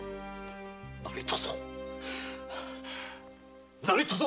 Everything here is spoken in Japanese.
何とぞ何とぞ